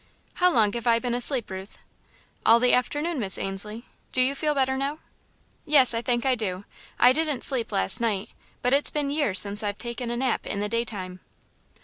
"How long have I been asleep, Ruth?" "All the afternoon, Miss Ainslie do you feel better now?" "Yes, I think I do. I didn't sleep last night, but it's been years since I've taken a nap in the daytime."